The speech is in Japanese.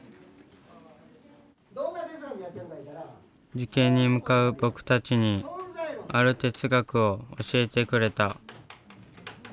受験に向かう僕たちにある哲学を教えてくれた。